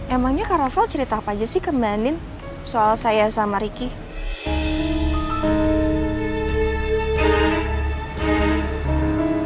emangnya kak rafael cerita apa aja sih ke mbak andi soal saya sama ricky